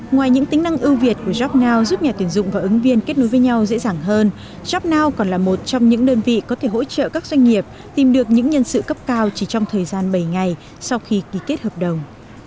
ngoài những tính năng ưu việt của jobnow giúp nhà tuyển dụng và ứng viên kết nối với nhau dễ dàng hơn jobnow còn là một trong những đơn vị có thể hỗ trợ các doanh nghiệp tìm được những nhân sự cấp cao chỉ trong thời gian bảy ngày sau khi ký kết hợp đồng